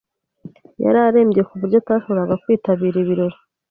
Yari arembye, ku buryo atashoboraga kwitabira ibirori.